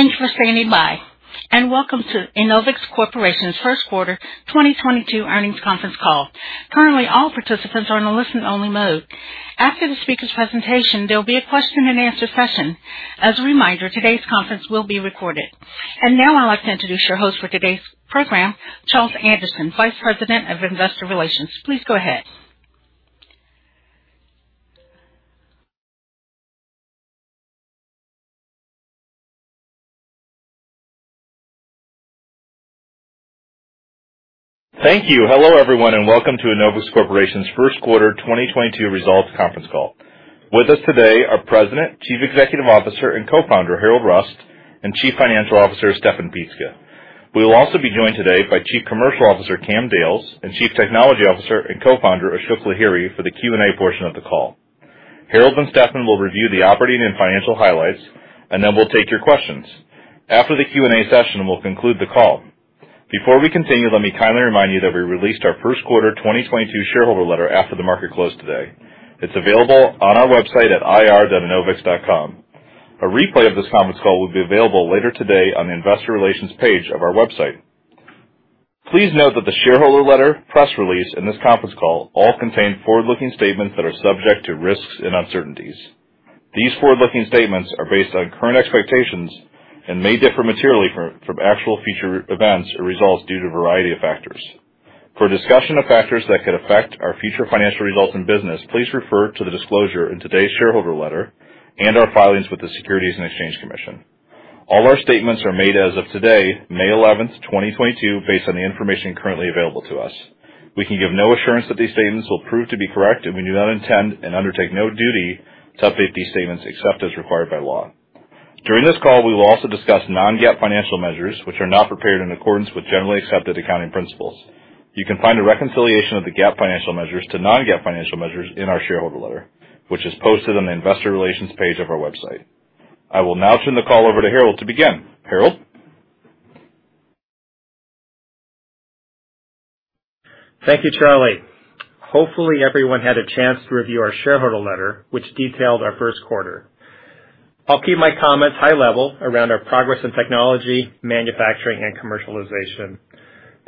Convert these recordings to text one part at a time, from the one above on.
Thanks for standing by, and welcome to Enovix Corporation's Q1 2022 Earnings Conference Call. Currently, all participants are in a listen only mode. After the speaker's presentation, there will be a question and answer session. As a reminder, today's conference will be recorded. Now I'd like to introduce your host for today's program, Charles Anderson, Vice President of Investor Relations. Please go ahead. Thank you. Hello, everyone, and welcome to Enovix Corporation's Q1 2022 Results Conference Call. With us today are President, Chief Executive Officer, and Co-founder, Harrold Rust, and Chief Financial Officer, Steffen Pietzke. We will also be joined today by Chief Commercial Officer, Cam Dales, and Chief Technology Officer and Co-founder, Ashok Lahiri, for the Q&A portion of the call. Harrold and Steffen will review the operating and financial highlights, and then we'll take your questions. After the Q&A session, we'll conclude the call. Before we continue, let me kindly remind you that we released our Q1 2022 shareholder letter after the market closed today. It's available on our website at ir.enovix.com. A replay of this conference call will be available later today on the investor relations page of our website. Please note that the shareholder letter, press release, and this conference call all contain forward-looking statements that are subject to risks and uncertainties. These forward-looking statements are based on current expectations and may differ materially from actual future events or results due to a variety of factors. For a discussion of factors that could affect our future financial results and business, please refer to the disclosure in today's shareholder letter and our filings with the Securities and Exchange Commission. All our statements are made as of today, May 11, 2022, based on the information currently available to us. We can give no assurance that these statements will prove to be correct, and we do not intend and undertake no duty to update these statements except as required by law. During this call, we will also discuss non-GAAP financial measures, which are not prepared in accordance with generally accepted accounting principles. You can find a reconciliation of the GAAP financial measures to non-GAAP financial measures in our shareholder letter, which is posted on the investor relations page of our website. I will now turn the call over to Harrold to begin. Harrold. Thank you, Charles. Hopefully, everyone had a chance to review our shareholder letter, which detailed our Q1. I'll keep my comments high level around our progress in technology, manufacturing, and commercialization.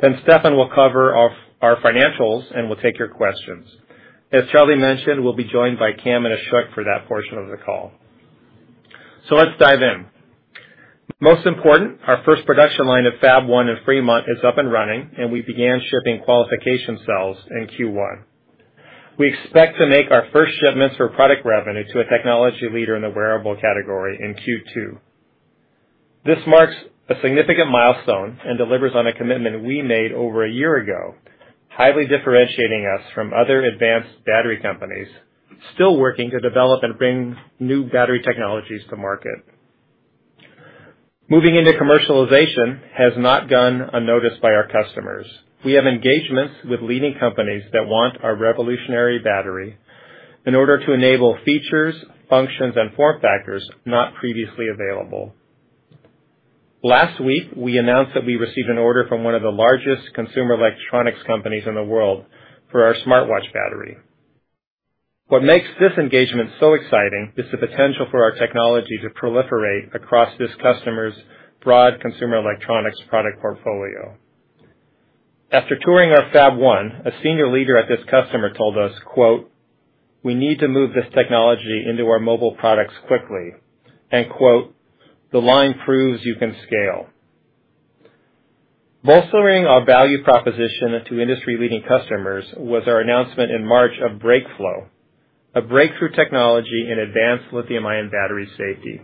Then Steffen will cover our financials, and we'll take your questions. As Charles mentioned, we'll be joined by Cam and Ashok for that portion of the call. Let's dive in. Most important, our first production line of Fab One in Fremont is up and running, and we began shipping qualification cells in Q1. We expect to make our first shipments for product revenue to a technology leader in the wearable category in Q2. This marks a significant milestone and delivers on a commitment we made over a year ago, highly differentiating us from other advanced battery companies still working to develop and bring new battery technologies to market. Moving into commercialization has not gone unnoticed by our customers. We have engagements with leading companies that want our revolutionary battery in order to enable features, functions, and form factors not previously available. Last week, we announced that we received an order from one of the largest consumer electronics companies in the world for our smartwatch battery. What makes this engagement so exciting is the potential for our technology to proliferate across this customer's broad consumer electronics product portfolio. After touring our Fab One, a senior leader at this customer told us, quote, "We need to move this technology into our mobile products quickly," and quote, "The line proves you can scale." Bolstering our value proposition to industry-leading customers was our announcement in March of BrakeFlow, a breakthrough technology in advanced lithium-ion battery safety.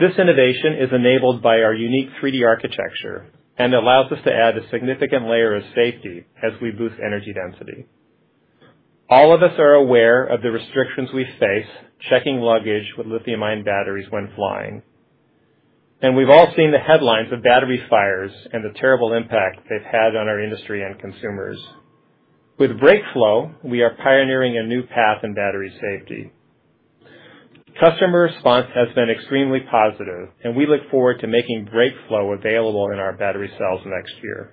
This innovation is enabled by our unique 3D architecture and allows us to add a significant layer of safety as we boost energy density. All of us are aware of the restrictions we face checking luggage with lithium-ion batteries when flying, and we've all seen the headlines of battery fires and the terrible impact they've had on our industry and consumers. With BrakeFlow, we are pioneering a new path in battery safety. Customer response has been extremely positive, and we look forward to making BrakeFlow available in our battery cells next year.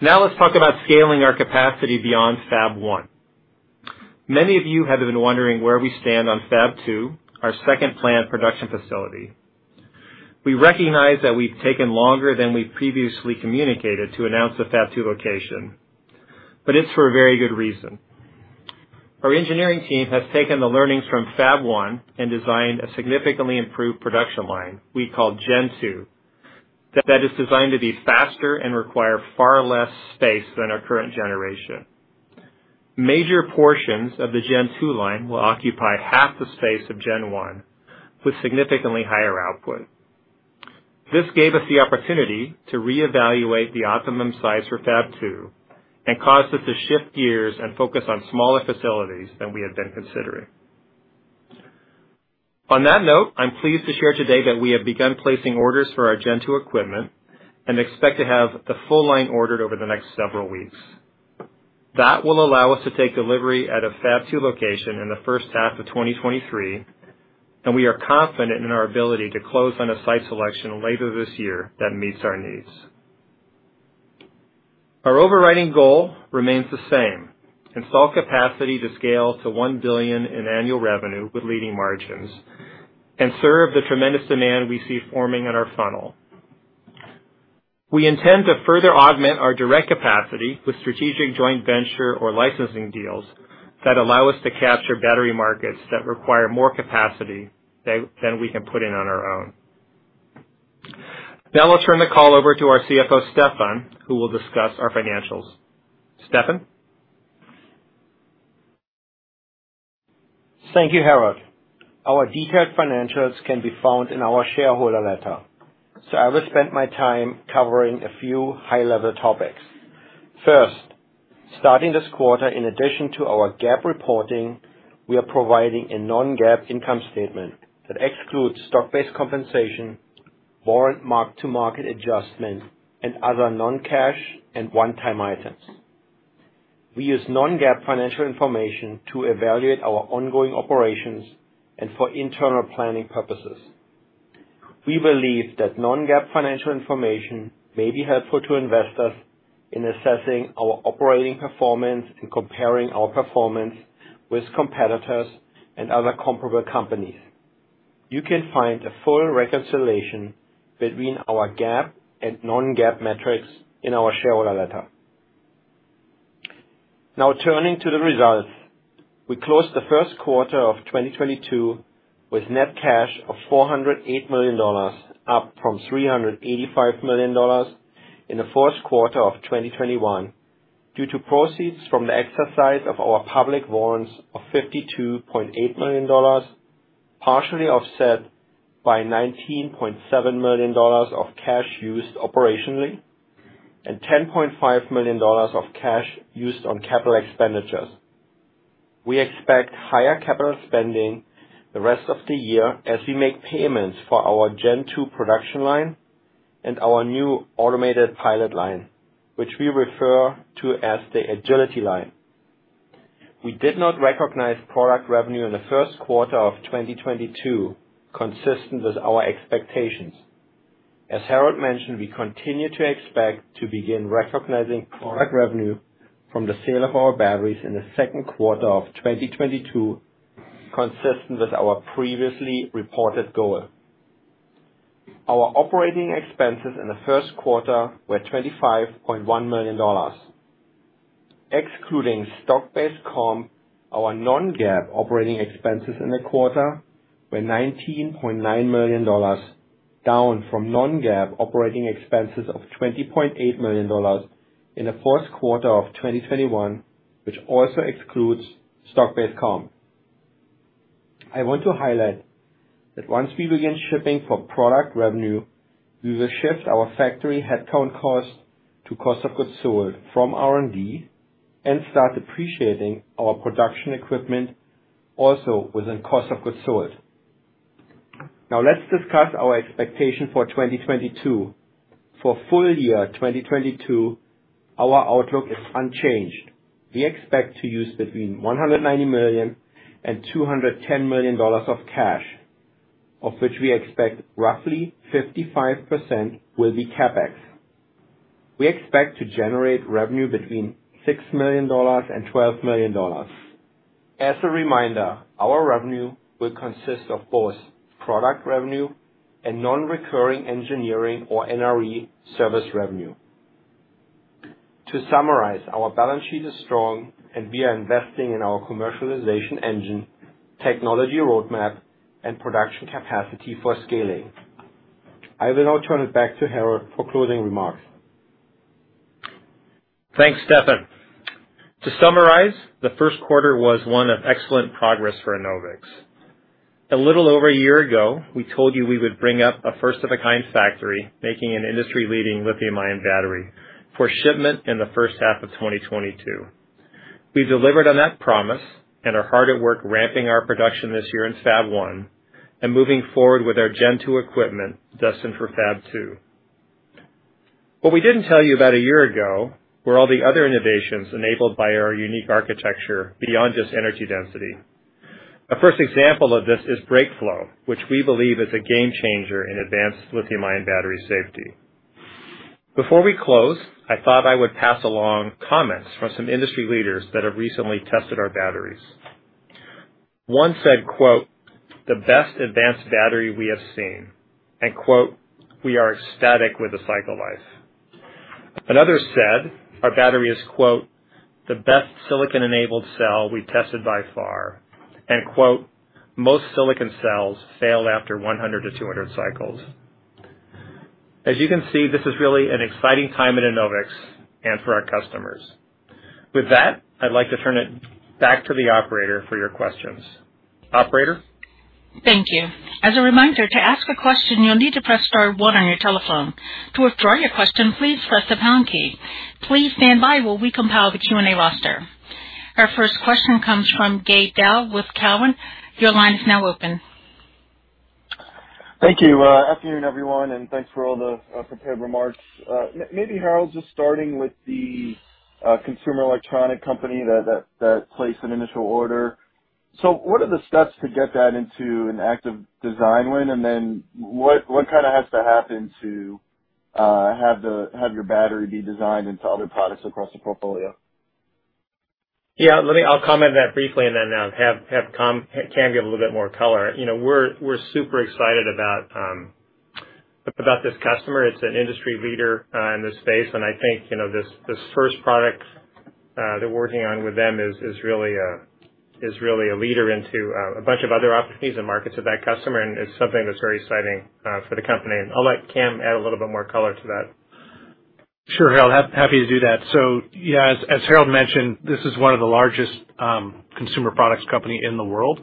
Now let's talk about scaling our capacity beyond Fab 1. Many of you have been wondering where we stand on Fab 2, our second plant production facility. We recognize that we've taken longer than we previously communicated to announce the Fab 2 location, but it's for a very good reason. Our engineering team has taken the learnings from Fab One and designed a significantly improved production line we call Gen 2 that is designed to be faster and require far less space than our current generation. Major portions of the Gen 2 line will occupy half the space of Gen 1 with significantly higher output. This gave us the opportunity to reevaluate the optimum size for Fab Two and caused us to shift gears and focus on smaller facilities than we had been considering. On that note, I'm pleased to share today that we have begun placing orders for our Gen 2 equipment and expect to have the full line ordered over the next several weeks. That will allow us to take delivery at a Fab 2 location in the first half of 2023, and we are confident in our ability to close on a site selection later this year that meets our needs. Our overriding goal remains the same, install capacity to scale to $1 billion in annual revenue with leading margins and serve the tremendous demand we see forming in our funnel. We intend to further augment our direct capacity with strategic joint venture or licensing deals that allow us to capture battery markets that require more capacity than we can put in on our own. Now I'll turn the call over to our CFO, Steffen, who will discuss our financials. Steffen? Thank you, Harrold. Our detailed financials can be found in our shareholder letter. I will spend my time covering a few high-level topics. First, starting this quarter, in addition to our GAAP reporting, we are providing a non-GAAP income statement that excludes stock-based compensation, warrant mark-to-market adjustment, and other non-cash and one-time items. We use non-GAAP financial information to evaluate our ongoing operations and for internal planning purposes. We believe that non-GAAP financial information may be helpful to investors in assessing our operating performance and comparing our performance with competitors and other comparable companies. You can find a full reconciliation between our GAAP and non-GAAP metrics in our shareholder letter. Now, turning to the results. We closed Q1 of 2022 with net cash of $408 million, up from $385 million in Q4 of 2021 due to proceeds from the exercise of our public warrants of $52.8 million, partially offset by $19.7 million of cash used operationally and $10.5 million of cash used on capital expenditures. We expect higher capital spending the rest of the year as we make payments for our Gen 2 production line and our new automated pilot line, which we refer to as the Agility Line. We did not recognize product revenue in Q1 of 2022, consistent with our expectations. As Harrold mentioned, we continue to expect to begin recognizing product revenue from the sale of our batteries in Q2 of 2022, consistent with our previously reported goal. Our operating expenses in the Q1 were $25.1 million. Excluding stock-based comp, our non-GAAP operating expenses in the quarter were $19.9 million, down from non-GAAP operating expenses of $20.8 million in Q4 of 2021, which also excludes stock-based comp. I want to highlight that once we begin shipping for product revenue, we will shift our factory headcount cost to cost of goods sold from R&D and start depreciating our production equipment also within cost of goods sold. Now let's discuss our expectation for 2022. For full year 2022, our outlook is unchanged. We expect to use between $190 million and $210 million of cash, of which we expect roughly 55% will be CapEx. We expect to generate revenue between $6 million and $12 million. As a reminder, our revenue will consist of both product revenue and non-recurring engineering or NRE service revenue. To summarize, our balance sheet is strong, and we are investing in our commercialization engine, technology roadmap, and production capacity for scaling. I will now turn it back to Harrold for closing remarks. Thanks, Steffen. To summarize, Q1 was one of excellent progress for Enovix. A little over a year ago, we told you we would bring up a first of a kind factory making an industry-leading lithium-ion battery for shipment in the first half of 2022. We delivered on that promise and are hard at work ramping our production this year in Fab One and moving forward with our Gen 2 equipment destined for Fab Two. What we didn't tell you about a year ago were all the other innovations enabled by our unique architecture beyond just energy density. A first example of this is BrakeFlow, which we believe is a game-changer in advanced lithium-ion battery safety. Before we close, I thought I would pass along comments from some industry leaders that have recently tested our batteries. One said, quote, "The best advanced battery we have seen," and quote, "We are ecstatic with the cycle life." Another said our battery is, quote, "The best silicon-enabled cell we tested by far," and quote, "Most silicon cells fail after 100-200 cycles." As you can see, this is really an exciting time at Enovix and for our customers. With that, I'd like to turn it back to the operator for your questions. Operator? Thank you. As a reminder, to ask a question, you'll need to press star one on your telephone. To withdraw your question, please press the pound key. Please stand by while we compile the Q&A roster. Our first question comes from Gabe Daoud with Cowen. Your line is now open. Thank you. Afternoon, everyone, and thanks for all the prepared remarks. Maybe, Harrold, just starting with the consumer electronic company that placed an initial order. What are the steps to get that into an active design win? And then what kind of has to happen to have your battery be designed into other products across the portfolio? I'll comment on that briefly and then have Cam give a little bit more color. You know, we're super excited about this customer. It's an industry leader in this space, and I think, you know, this first product that we're working on with them is really a leader into a bunch of other opportunities and markets with that customer, and it's something that's very exciting for the company. I'll let Cam add a little bit more color to that. Sure, Harold. Happy to do that. Yeah, as Harold mentioned, this is one of the largest consumer products company in the world.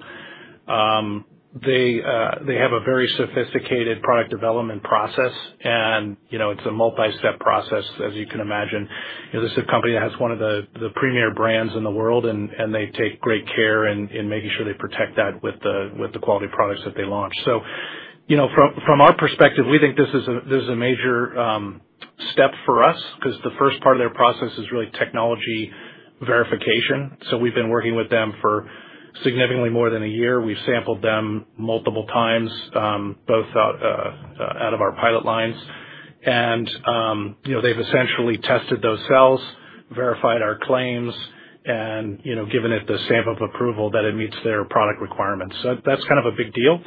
They have a very sophisticated product development process and, you know, it's a multi-step process, as you can imagine. This is a company that has one of the premier brands in the world and they take great care in making sure they protect that with the quality products that they launch. You know, from our perspective, we think this is a major step for us because the first part of their process is really technology verification. We've been working with them for significantly more than a year. We've sampled them multiple times, both out of our pilot lines. You know, they've essentially tested those cells, verified our claims and given it the stamp of approval that it meets their product requirements. That's kind of a big deal.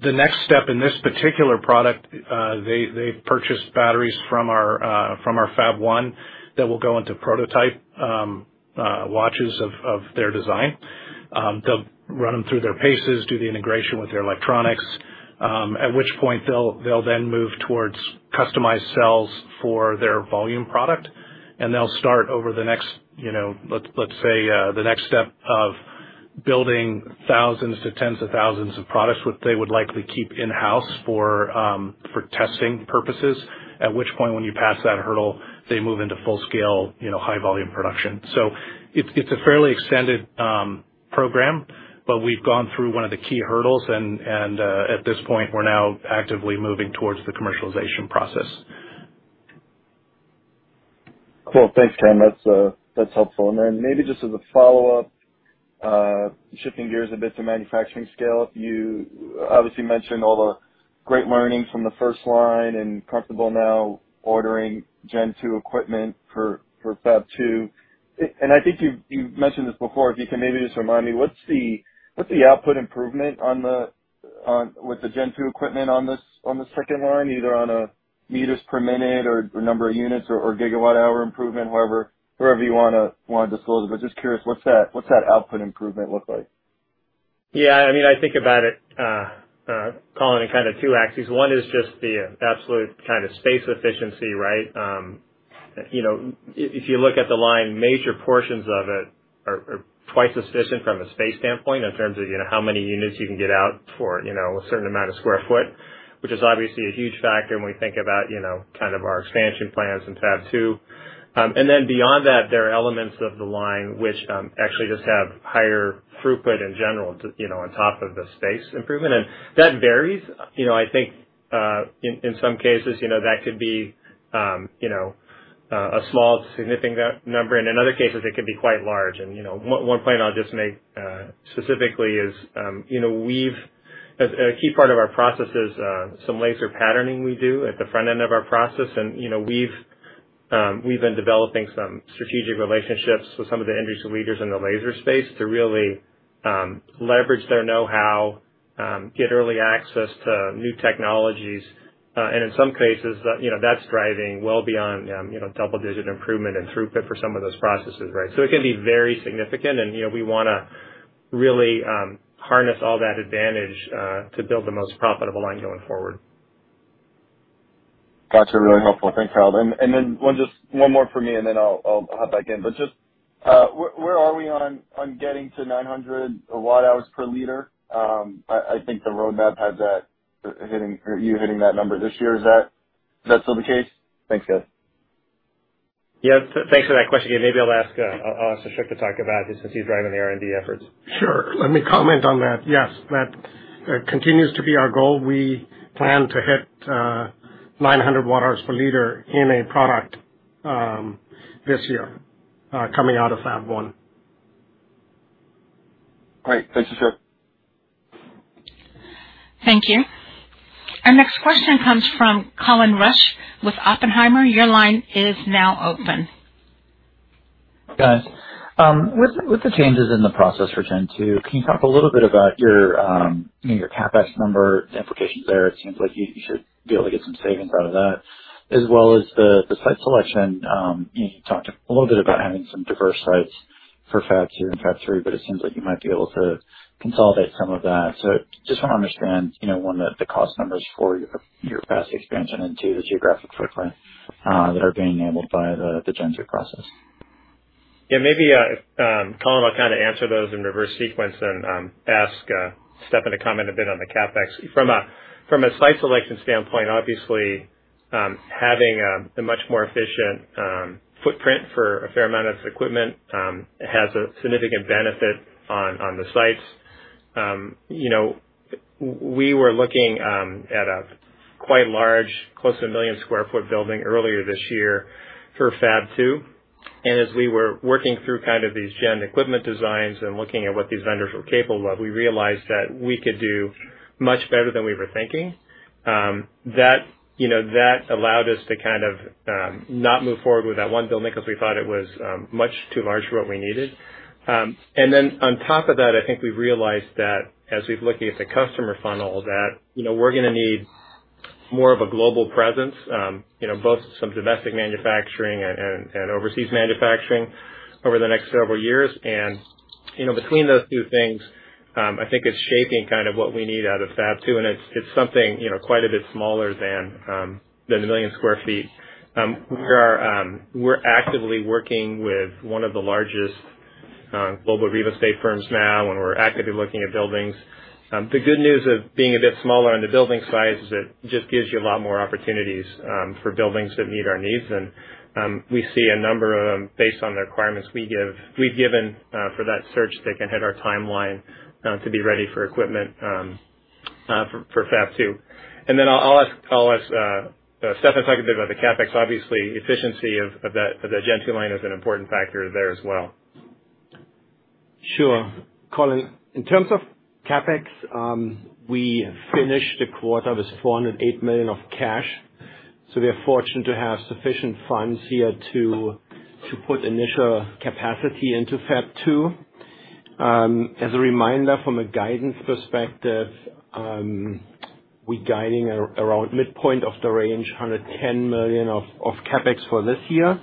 The next step in this particular product, they've purchased batteries from our Fab One that will go into prototype watches of their design. They'll run them through their paces, do the integration with their electronics, at which point they'll then move towards customized cells for their volume product. They'll start over the next, you know, let's say, the next step of building thousands to tens of thousands of products, which they would likely keep in-house for testing purposes. At which point, when you pass that hurdle, they move into full scale, you know, high volume production. It's a fairly extended program, but we've gone through one of the key hurdles and at this point we're now actively moving towards the commercialization process. Cool. Thanks, Cam. That's helpful. Then maybe just as a follow-up, shifting gears a bit to manufacturing scale, you obviously mentioned all the great learnings from the first line and comfortable now ordering Gen 2 equipment for Fab 2. I think you've mentioned this before, if you can maybe just remind me, what's the output improvement with the Gen 2 equipment on this, on the second line, either on a meters per minute or number of units or gigawatt-hour improvement, however you wanna disclose it. Just curious, what's that output improvement look like? Yeah, I mean, I think about it calling it kind of two axes. One is just the absolute kind of space efficiency, right? You know, if you look at the line, major portions of it are twice as efficient from a space standpoint in terms of, you know, how many units you can get out for, you know, a certain amount of square foot, which is obviously a huge factor when we think about, you know, kind of our expansion plans in Fab Two. Beyond that, there are elements of the line which actually just have higher throughput in general to, you know, on top of the space improvement. That varies. You know, I think, in some cases, you know, that could be, you know, a small significant number, and in other cases it could be quite large. You know, one point I'll just make, specifically is, you know, we've a key part of our process is, some laser patterning we do at the front end of our process. You know, we've been developing some strategic relationships with some of the industry leaders in the laser space to really, leverage their know-how, get early access to new technologies. And in some cases, you know, that's driving well beyond, you know, double-digit improvement and throughput for some of those processes, right? It can be very significant and, you know, we wanna really harness all that advantage to build the most profitable line going forward. Got you. Really helpful. Thanks, Harrold. One, just one more for me, and then I'll hop back in. Just, where are we on getting to 900 watt hours per liter? I think the roadmap has that hitting or you hitting that number this year. Is that still the case? Thanks, guys. Yeah, thanks for that question. Maybe I'll ask Ashok to talk about it just because he's driving the R&D efforts. Sure. Let me comment on that. Yes. That continues to be our goal. We plan to hit 900 Wh/L in a product this year coming out of Fab One. Great. Thank you, sir. Thank you. Our next question comes from Colin Rusch with Oppenheimer. Your line is now open. Guys, with the changes in the process for Gen 2, can you talk a little bit about your, you know, your CapEx number, the implications there? It seems like you should be able to get some savings out of that. As well as the site selection, you talked a little bit about having some diverse sites for Fab 2 and Fab 3, but it seems like you might be able to consolidate some of that? Just wanna understand, you know, one, the cost numbers for your capacity expansion, and two, the geographic footprint that are being enabled by the Gen 2 process. Yeah, maybe, Colin, I'll kind of answer those in reverse sequence and ask Steffen to comment a bit on the CapEx. From a site selection standpoint, obviously, having a much more efficient footprint for a fair amount of equipment has a significant benefit on the sites. You know, we were looking at a quite large, close to 1 million sq ft building earlier this year for Fab 2. As we were working through kind of these Gen equipment designs and looking at what these vendors were capable of, we realized that we could do much better than we were thinking. That, you know, that allowed us to kind of not move forward with that one building because we thought it was much too large for what we needed. I think we realized that as we're looking at the customer funnel, that, you know, we're gonna need more of a global presence, you know, both some domestic manufacturing and overseas manufacturing over the next several years. You know, between those two things, I think it's shaping kind of what we need out of Fab 2, and it's something, you know, quite a bit smaller than 1 million sq ft. We're actively working with one of the largest global real estate firms now, and we're actively looking at buildings. The good news of being a bit smaller on the building size is it just gives you a lot more opportunities for buildings that meet our needs. We see a number of them based on the requirements we've given for that search that can hit our timeline to be ready for equipment for Fab 2. Then I'll ask Steffen to talk a bit about the CapEx. Obviously, efficiency of that of the Gen 2 line is an important factor there as well. Sure. Colin, in terms of CapEx, we finished the quarter with $408 million of cash, so we are fortunate to have sufficient funds here to put initial capacity into Fab 2. As a reminder, from a guidance perspective, we're guiding around midpoint of the range, $110 million of CapEx for this year.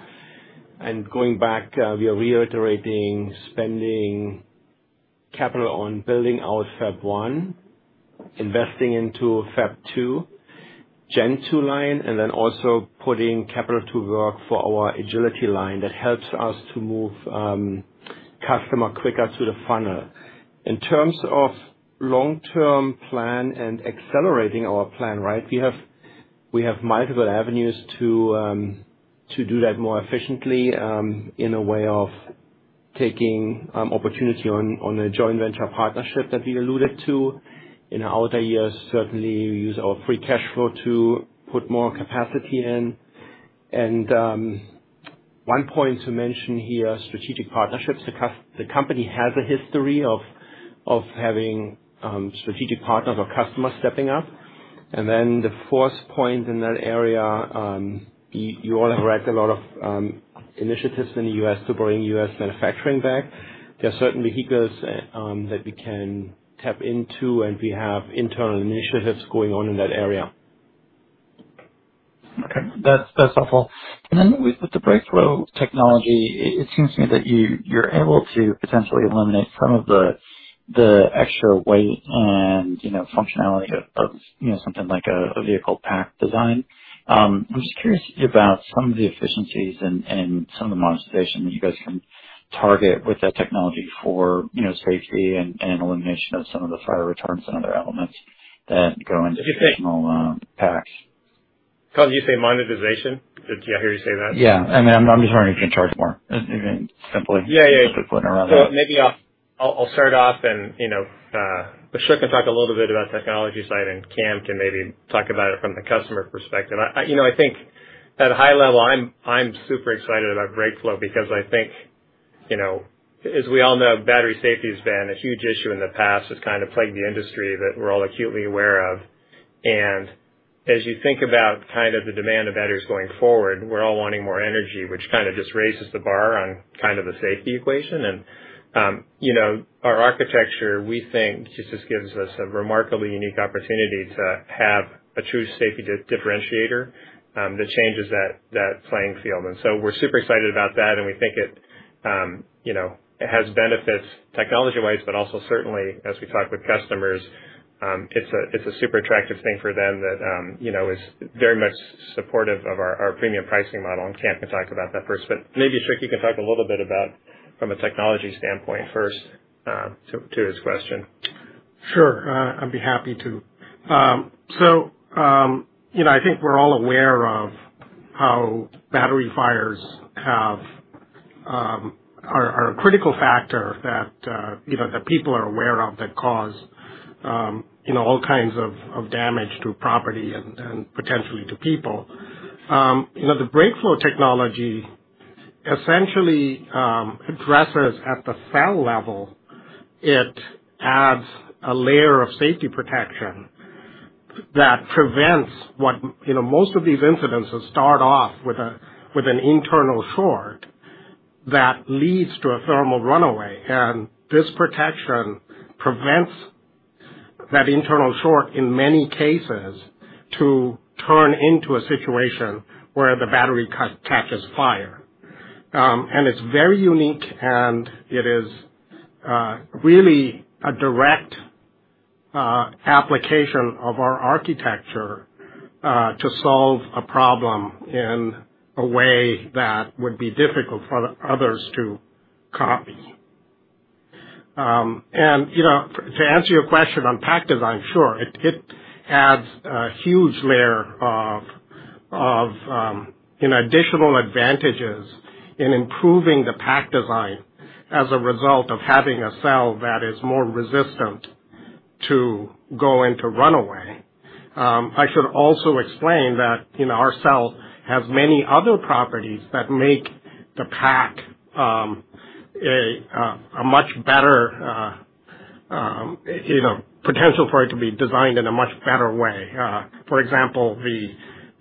Going back, we are reiterating spending capital on building out Fab 1, investing into Fab 2, Gen 2 line, and then also putting capital to work for our Agility Line that helps us to move customer quicker through the funnel. In terms of long-term plan and accelerating our plan, right, we have multiple avenues to do that more efficiently, in a way of taking opportunity on a joint venture partnership that we alluded to. In our outer years, certainly use our free cash flow to put more capacity in. One point to mention here, strategic partnerships. The company has a history of having strategic partners or customers stepping up. Then the fourth point in that area, you all have read a lot of initiatives in the U.S. to bring U.S. manufacturing back. There are certainly incentives that we can tap into, and we have internal initiatives going on in that area. Okay. That's helpful. With the breakthrough technology, it seems to me that you're able to potentially eliminate some of the extra weight and you know functionality of you know something like a vehicle pack design. I'm just curious about some of the efficiencies and some of the monetization that you guys can target with that technology for you know safety and elimination of some of the fire retardants and other elements that go into. Additional packs? Colin, did you say monetization? Did I hear you say that? Yeah. I mean, I'm just wondering if you can charge more, I mean, simply. Yeah, yeah. Just to put it around that. Maybe I'll start off and, you know, Ashok can talk a little bit about technology side, and Cam can maybe talk about it from the customer perspective. You know, I think at a high level, I'm super excited about BrakeFlow because I think, you know, as we all know, battery safety has been a huge issue in the past. It's kind of plagued the industry that we're all acutely aware of. As you think about kind of the demand of batteries going forward, we're all wanting more energy, which kind of just raises the bar on kind of the safety equation. You know, our architecture, we think just gives us a remarkably unique opportunity to have a true safety differentiator that changes that playing field. We're super excited about that, and we think it, you know, it has benefits technology-wise, but also certainly as we talk with customers, it's a super attractive thing for them that, you know, is very much supportive of our premium pricing model. Cam can talk about that first. Maybe, Ashok, you can talk a little bit about from a technology standpoint first, to his question. Sure. I'd be happy to. You know, I think we're all aware of how battery fires are a critical factor that you know that people are aware of that cause you know all kinds of damage to property and potentially to people. You know, the BrakeFlow technology essentially addresses at the cell level. It adds a layer of safety protection that prevents what you know most of these incidents start off with an internal short that leads to a thermal runaway, and this protection prevents that internal short in many cases to turn into a situation where the battery catches fire. It's very unique, and it is really a direct application of our architecture to solve a problem in a way that would be difficult for others to copy. To answer your question on pack design, sure, it adds a huge layer of additional advantages in improving the pack design as a result of having a cell that is more resistant to go into thermal runaway. I should also explain that, you know, our cell has many other properties that make the pack a much better potential for it to be designed in a much better way. For example,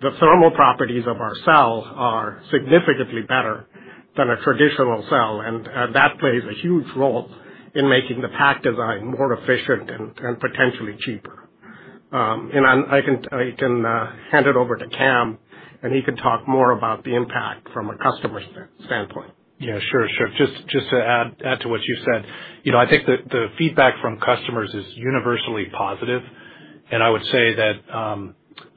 the thermal properties of our cells are significantly better than a traditional cell, and that plays a huge role in making the pack design more efficient and potentially cheaper. I can hand it over to Cam, and he can talk more about the impact from a customer's standpoint. Yeah, sure. Just to add to what you said. You know, I think the feedback from customers is universally positive. I would say that,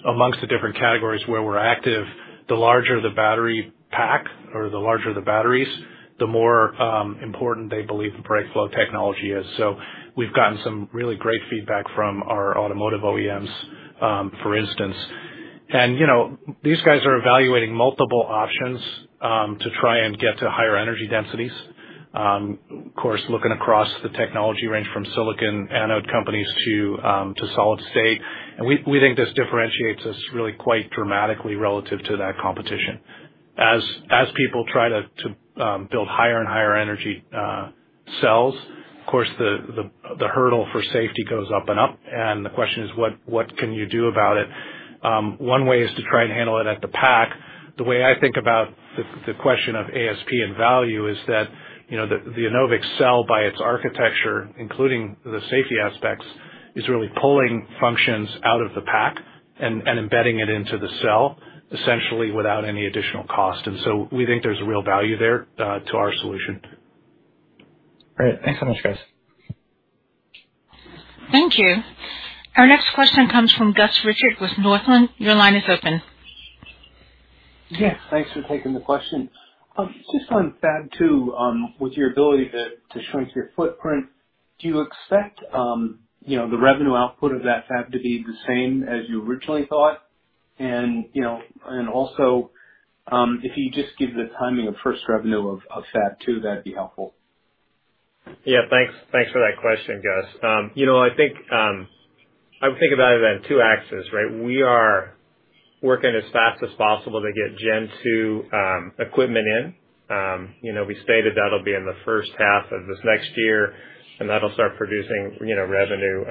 among the different categories where we're active, the larger the battery pack or the larger the batteries, the more important they believe the BrakeFlow technology is. We've gotten some really great feedback from our automotive OEMs, for instance. You know, these guys are evaluating multiple options, to try and get to higher energy densities. Of course, looking across the technology range from silicon anode companies to solid state. We think this differentiates us really quite dramatically relative to that competition. As people try to build higher and higher energy cells, of course the hurdle for safety goes up and up. The question is what can you do about it? One way is to try and handle it at the pack. The way I think about the question of ASP and value is that, you know, the Enovix cell by its architecture, including the safety aspects, is really pulling functions out of the pack and embedding it into the cell, essentially without any additional cost. We think there's real value there to our solution. All right. Thanks so much, guys. Thank you. Our next question comes from Gus Richard with Northland. Your line is open. Yes, thanks for taking the question. Just on Fab 2, with your ability to shrink your footprint, do you expect, you know, the revenue output of that fab to be the same as you originally thought? You know, and also, if you just give the timing of first revenue of Fab 2, that'd be helpful. Yeah, thanks. Thanks for that question, Gus. You know, I think I would think about it as two axes, right? We are working as fast as possible to get Gen 2 equipment in. You know, we stated that'll be in the first half of this next year, and that'll start producing, you know, revenue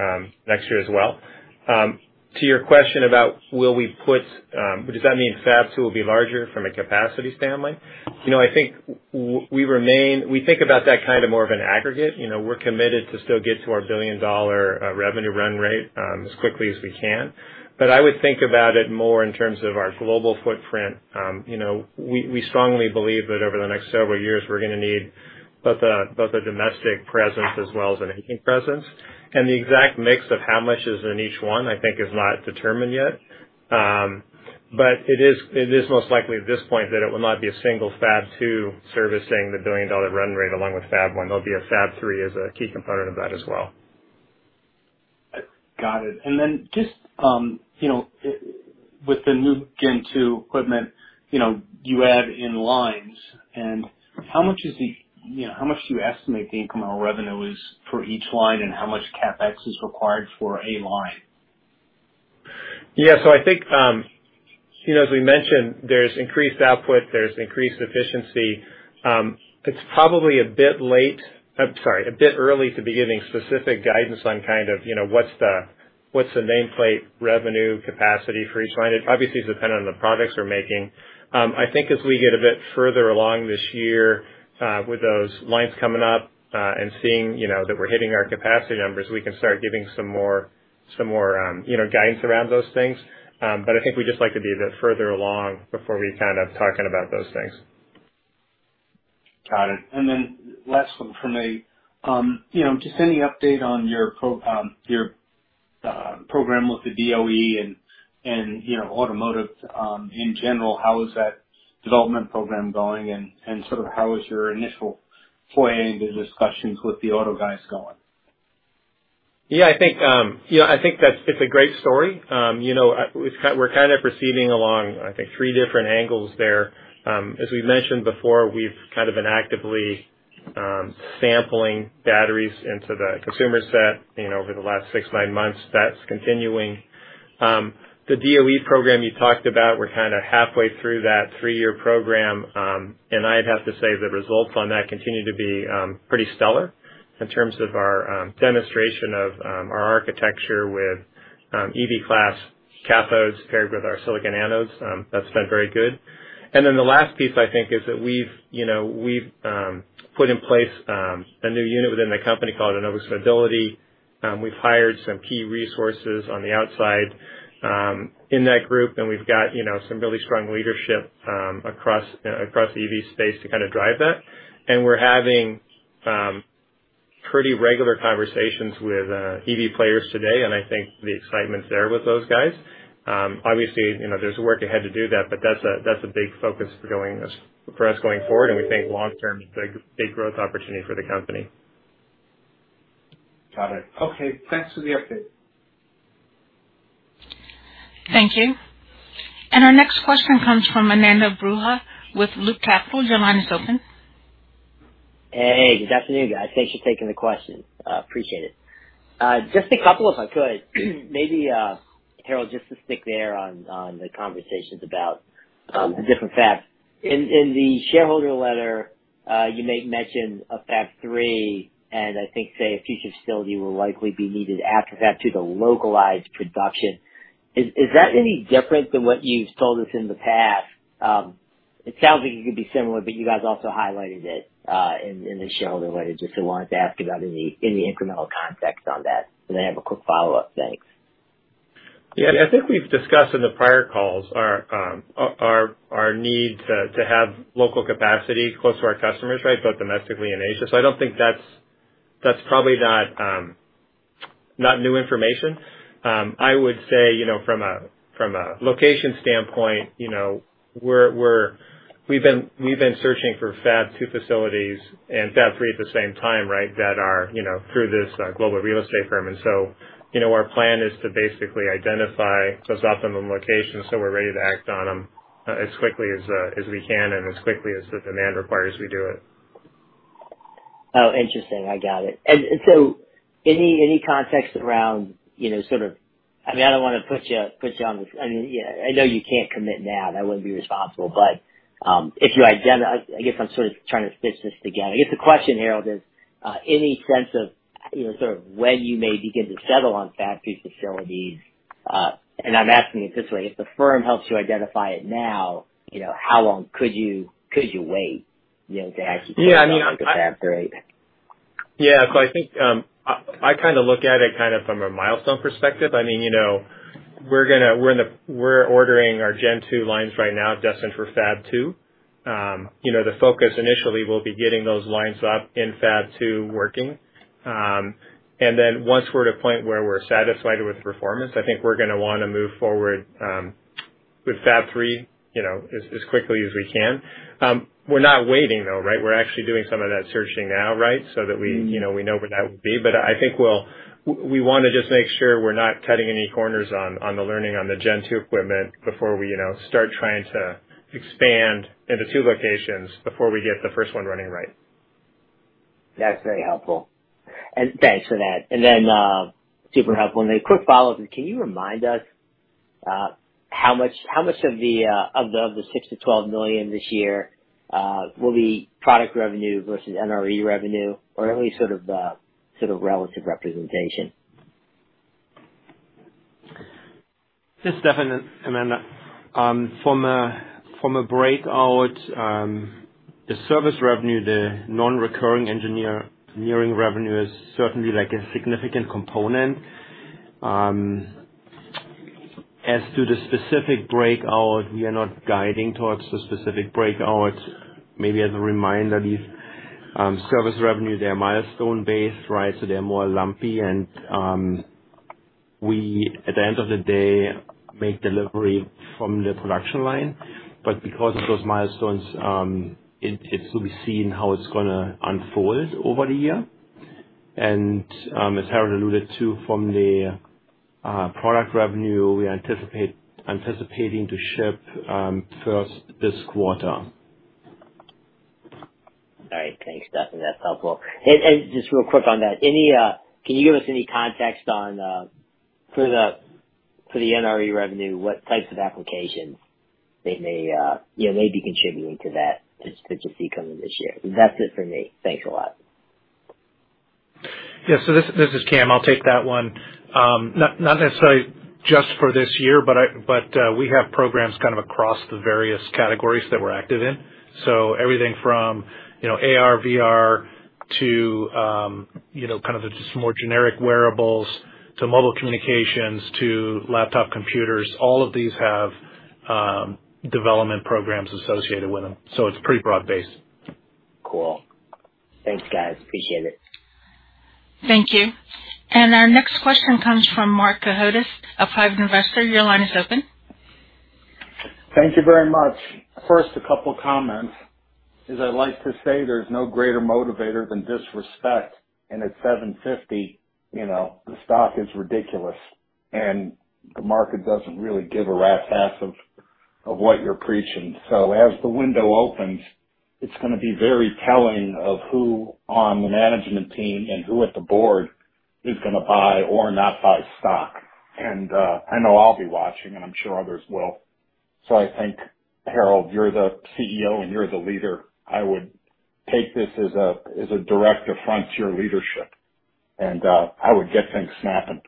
next year as well. To your question about will we put, does that mean Fab 2 will be larger from a capacity standpoint? You know, I think we think about that kind of more of an aggregate. You know, we're committed to still get to our billion-dollar revenue run rate as quickly as we can. I would think about it more in terms of our global footprint. You know, we strongly believe that over the next several years we're gonna need both a domestic presence as well as an Asian presence. The exact mix of how much is in each one, I think is not determined yet. It is most likely at this point that it will not be a single Fab 2 servicing the billion-dollar run rate along with Fab1. There'll be a Fab 3 as a key component of that as well. Got it. Just, you know, with the new Gen 2 equipment, you know, you add in lines and how much do you estimate the incremental revenue is for each line, and how much CapEx is required for a line? Yeah. I think, you know, as we mentioned, there's increased output, there's increased efficiency. It's probably a bit early to be giving specific guidance on kind of, you know, what's the nameplate revenue capacity for each line. It obviously is dependent on the products we're making. I think as we get a bit further along this year, with those lines coming up, and seeing, you know, that we're hitting our capacity numbers, we can start giving some more, you know, guidance around those things. I think we'd just like to be a bit further along before we're kind of talking about those things. Got it. Last one from me. You know, just any update on your program with the DOE and you know, automotive in general. How is that development program going? Sort of how is your initial foray into discussions with the auto guys going? Yeah, I think, you know, I think it's a great story. You know, we're kind of proceeding along, I think, three different angles there. As we've mentioned before, we've kind of been actively sampling batteries into the consumer set, you know, over the last six to nine months. That's continuing. The DOE program you talked about, we're kinda halfway through that three-year program. I'd have to say the results on that continue to be pretty stellar in terms of our demonstration of our architecture with EV class cathodes paired with our silicon anodes. That's been very good. The last piece I think is that we've, you know, put in place a new unit within the company called Enovix Mobility. We've hired some key resources on the outside, in that group, and we've got, you know, some really strong leadership, across the EV space to kind of drive that. We're having pretty regular conversations with EV players today, and I think the excitement's there with those guys. Obviously, you know, there's work ahead to do that, but that's a big focus for us going forward. We think long term, it's a big growth opportunity for the company. Got it. Okay, thanks for the update. Thank you. Our next question comes from Ananda Baruah with Loop Capital. Your line is open. Hey, good afternoon, guys. Thanks for taking the question. Appreciate it. Just a couple if I could. Maybe, Harrold, just to stick there on the conversations about the different fabs. In the shareholder letter, you made mention of Fab 3, and I think, say, a future facility will likely be needed after that to localize production. Is that any different than what you've told us in the past? It sounds like it could be similar, but you guys also highlighted it in the shareholder letter, just wanted to ask about any incremental context on that. I have a quick follow-up. Thanks. Yeah, I think we've discussed in the prior calls our need to have local capacity close to our customers, right? Both domestically and Asia. I don't think that's new information. I would say, you know, from a location standpoint, you know, we've been searching for Fab 2 facilities and Fab 3 at the same time, right? That are, you know, through this global real estate firm. You know, our plan is to basically identify those optimum locations, so we're ready to act on them, as quickly as we can and as quickly as the demand requires we do it. Oh, interesting. I got it. Any context around, you know, sort of, I mean, I don't wanna put you. I mean, yeah, I know you can't commit now, that wouldn't be responsible, but I guess I'm sort of trying to stitch this together. I guess the question, Harrold, is any sense of, you know, sort of when you may begin to settle on Fab 2 facilities, and I'm asking it this way, if the firm helps you identify it now, you know, how long could you wait, you know, to actually. Yeah, I mean. to fab 3? I think I kinda look at it kind of from a milestone perspective. I mean, you know, we're ordering our Gen 2 lines right now destined for Fab 2. You know, the focus initially will be getting those lines up in Fab 2 working. Once we're at a point where we're satisfied with the performance, I think we're gonna wanna move forward with Fab 3, you know, as quickly as we can. We're not waiting though, right? We're actually doing some of that searching now, right? That we- Mm-hmm. You know, we know where that would be. I think we'll we wanna just make sure we're not cutting any corners on the learning on the Gen 2 equipment before we, you know, start trying to expand into two locations before we get the first one running right. That's very helpful. Thanks for that. Super helpful. A quick follow up, can you remind us how much of the $6-12 million this year will be product revenue versus NRE revenue or any sort of relative representation? Yes, Steffen and Ananda. From a breakout, the service revenue, the non-recurring engineering revenue is certainly like a significant component. As to the specific breakout, we are not guiding towards the specific breakout. Maybe as a reminder, these service revenue, they are milestone based, right? So they're more lumpy and, we, at the end of the day, make delivery from the production line. But because of those milestones, it will be seen how it's gonna unfold over the year. As Harold alluded to, from the product revenue, we anticipate to ship first this quarter. All right. Thanks, Steffen. That's helpful. Just real quick on that. Can you give us any context on the NRE revenue, what types of applications may, you know, be contributing to that we see coming this year? That's it for me. Thanks a lot. Yeah. This is Cam. I'll take that one. Not necessarily just for this year, but we have programs kind of across the various categories that we're active in. Everything from, you know, AR/VR to, you know, kind of just more generic wearables to mobile communications to laptop computers, all of these have development programs associated with them, so it's pretty broad-based. Cool. Thanks, guys. Appreciate it. Thank you. Our next question comes from Marc Cohodes, a private investor. Your line is open. Thank you very much. First, a couple comments. I'd like to say there's no greater motivator than disrespect. At $7.50, you know, the stock is ridiculous, and the market doesn't really give a rat's ass of what you're preaching. As the window opens, it's gonna be very telling of who on the management team and who at the board is gonna buy or not buy stock. I know I'll be watching, and I'm sure others will. I think, Harrold, you're the CEO and you're the leader. I would take this as a direct affront to your leadership. I would get things snapping.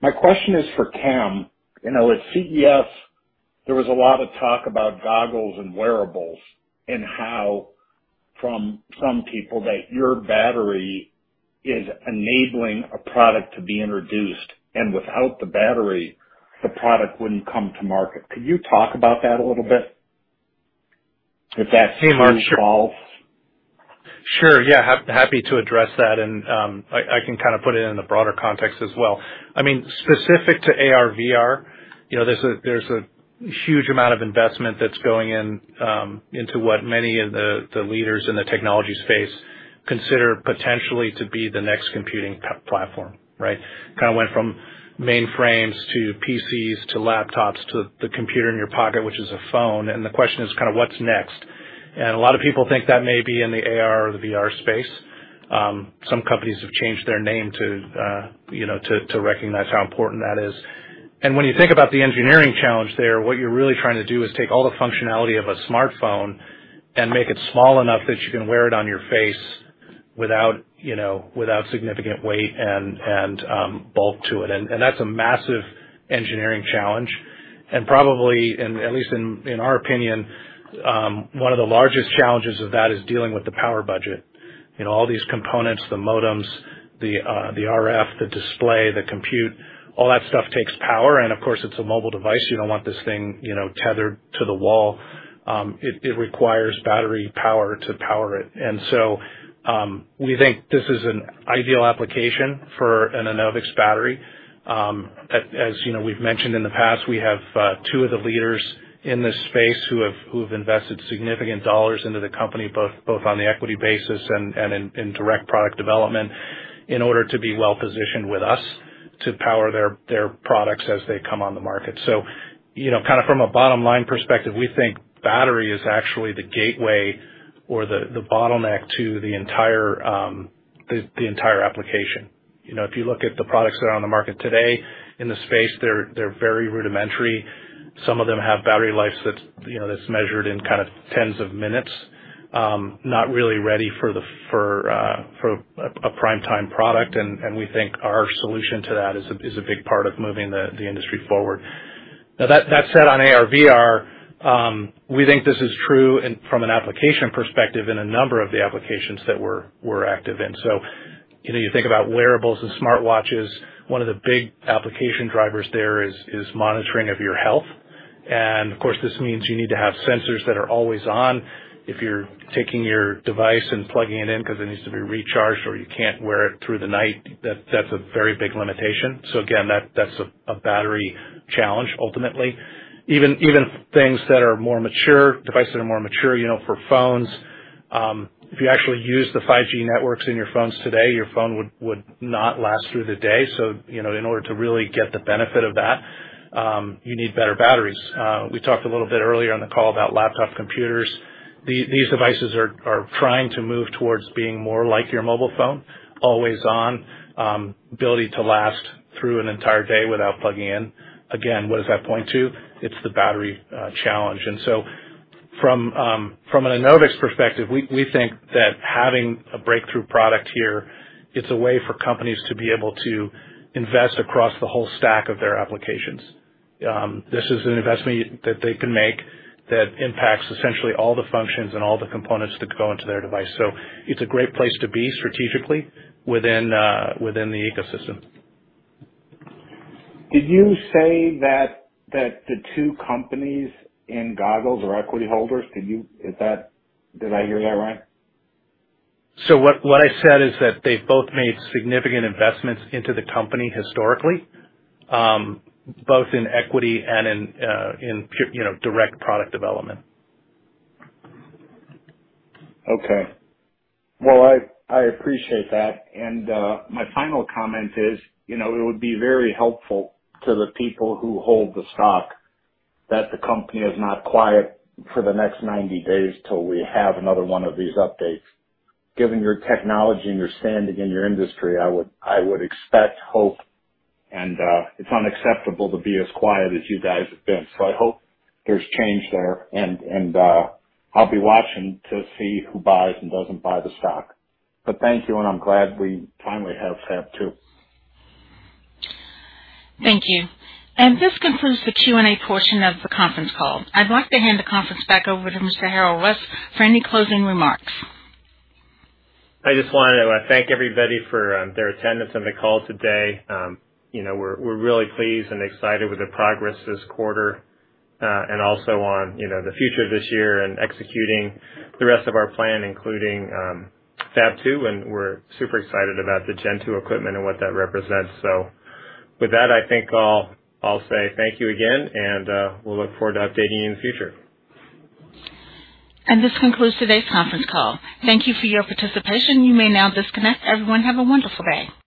My question is for Cam. You know, at CES, there was a lot of talk about goggles and wearables and how, from some people, that your battery is enabling a product to be introduced, and without the battery, the product wouldn't come to market. Could you talk about that a little bit? If that's true or false. Sure. Yeah. Happy to address that and, I can kind of put it in a broader context as well. I mean, specific to AR/VR. You know, there's a huge amount of investment that's going in into what many of the leaders in the technology space consider potentially to be the next computing platform, right? Kinda went from mainframes to PCs to laptops to the computer in your pocket, which is a phone. The question is kind of what's next. A lot of people think that may be in the AR or the VR space. Some companies have changed their name to, you know, to recognize how important that is. When you think about the engineering challenge there, what you're really trying to do is take all the functionality of a smartphone and make it small enough that you can wear it on your face without, you know, without significant weight and bulk to it. That's a massive engineering challenge. Probably, at least in our opinion, one of the largest challenges of that is dealing with the power budget. You know, all these components, the modems, the RF, the display, the compute, all that stuff takes power. Of course, it's a mobile device. You don't want this thing, you know, tethered to the wall. It requires battery power to power it. We think this is an ideal application for an Enovix battery. As you know, we've mentioned in the past, we have two of the leaders in this space who have invested significant dollars into the company, both on the equity basis and in direct product development in order to be well-positioned with us to power their products as they come on the market. You know, kinda from a bottom-line perspective, we think battery is actually the gateway or the bottleneck to the entire application. You know, if you look at the products that are on the market today in the space, they're very rudimentary. Some of them have battery life that's measured in kind of tens of minutes. Not really ready for a prime time product. We think our solution to that is a big part of moving the industry forward. Now, that said on AR/VR, we think this is true from an application perspective in a number of the applications that we're active in. You know, you think about wearables and smartwatches. One of the big application drivers there is monitoring of your health. Of course, this means you need to have sensors that are always on. If you're taking your device and plugging it in 'cause it needs to be recharged or you can't wear it through the night, that's a very big limitation. Again, that's a battery challenge ultimately. Even things that are more mature, devices that are more mature, you know, for phones, if you actually use the 5G networks in your phones today, your phone would not last through the day. You know, in order to really get the benefit of that, you need better batteries. We talked a little bit earlier on the call about laptop computers. These devices are trying to move towards being more like your mobile phone, always on, ability to last through an entire day without plugging in. Again, what does that point to? It's the battery challenge. From an Enovix perspective, we think that having a breakthrough product here, it's a way for companies to be able to invest across the whole stack of their applications. This is an investment that they can make that impacts essentially all the functions and all the components that go into their device. It's a great place to be strategically within the ecosystem. Did you say that the two companies in Google are equity holders? Did I hear that right? What I said is that they both made significant investments into the company historically, both in equity and, you know, in direct product development. Okay. Well, I appreciate that. My final comment is, you know, it would be very helpful to the people who hold the stock that the company is not quiet for the next 90 days till we have another one of these updates. Given your technology and your standing in your industry, I would expect hope and it's unacceptable to be as quiet as you guys have been. I hope there's change there and I'll be watching to see who buys and doesn't buy the stock. Thank you, and I'm glad we finally have Fab 2. Thank you. This concludes the Q&A portion of the conference call. I'd like to hand the conference back over to Mr. Harrold Rust for any closing remarks. I just wanna thank everybody for their attendance on the call today. You know, we're really pleased and excited with the progress this quarter, and also on, you know, the future this year and executing the rest of our plan, including Fab 2, and we're super excited about the Gen 2 equipment and what that represents. With that, I think I'll say thank you again and we'll look forward to updating you in the future. This concludes today's conference call. Thank you for your participation. You may now disconnect. Everyone, have a wonderful day.